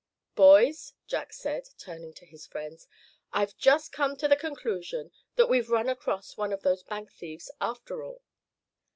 "Boys," Jack said, turning to his friends, "I've just come to the conclusion that we've run across one of those bank thieves after all."